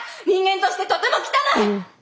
人間としてとても汚い！